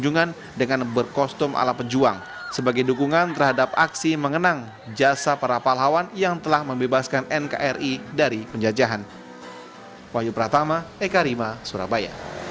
nah ini yang harus diomong